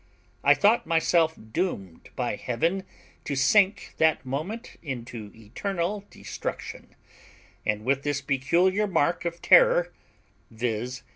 I thought myself doomed by Heaven to sink that moment into eternal destruction; and with this peculiar mark of terror, viz.